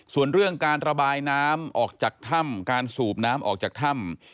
ส่วนเรื่องการระบายน้ำออกจากถ้ำการสูบน้ำออกจากถ้ำ